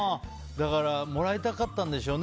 もらいたかったんでしょうね